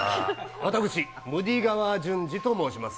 私、ムディ川淳二と申します。